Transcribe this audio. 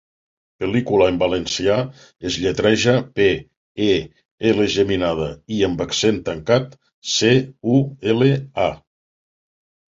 'Pel·lícula' en valencià es lletreja: pe, e, ele geminada, i amb accent tancat, ce, u, ele, a.